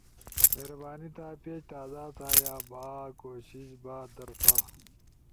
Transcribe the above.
مہربانی تھا پیج تازہ تھا یا با کوشش بعد در تھا